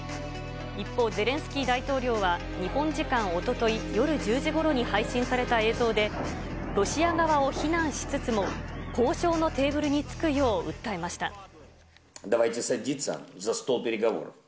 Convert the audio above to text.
一方、ゼレンスキー大統領は、日本時間おととい夜１０時ごろに配信された映像で、ロシア側を非難しつつも、交渉のテーブルに着くよう訴えました。